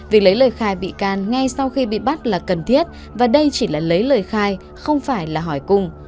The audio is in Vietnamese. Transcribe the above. việc lấy lời khai bị can ngay sau khi bị bắt là cần thiết và đây chỉ là lấy lời khai không phải là hỏi cùng